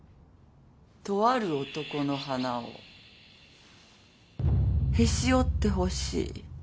とある男の鼻をへし折ってほしい。